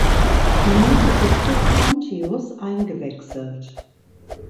Minute für Chris Pontius eingewechselt.